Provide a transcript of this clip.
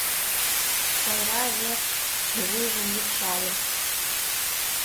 Тайра век вуйжым лупшале.